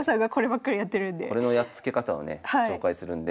これのやっつけ方をね紹介するんで。